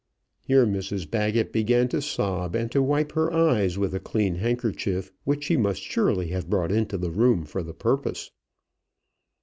Here Mrs Baggett began to sob, and to wipe her eyes with a clean handkerchief, which she must surely have brought into the room for the purpose.